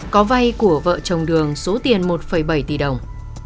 có vay của vợ chồng đường số tiền một bảy tỷ đồng